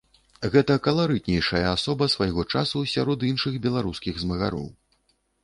Гэта каларытнейшая асоба свайго часу сярод іншых беларускіх змагароў.